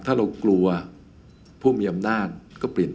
ถ้าเรากลัวผู้มีอำนาจก็เปลี่ยน